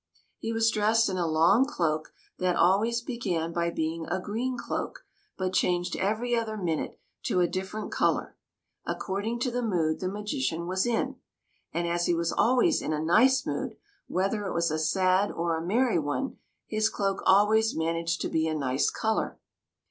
He was dressed in a long cloak, that always began by being a green cloak but changed every other minute to a different colour, ac cording to the mood the magician was in ; and as he was always in a nice mood, whether it was a sad or a merry one, his cloak always man aged to be a nice colour.